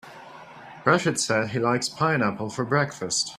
Rachid said he likes pineapple for breakfast.